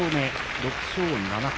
６勝７敗。